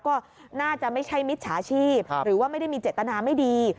ก็น่าจะไม่ใช่มิจฉาชีพหรือว่าไม่ได้มีเจตนาไม่ดี